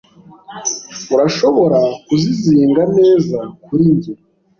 Urashobora kuzizinga neza kuri njye?